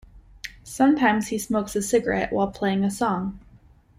Sometimes he smokes a cigarette while playing a song.